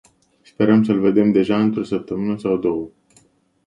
Sperăm să-l vedem deja într-o săptămână sau două.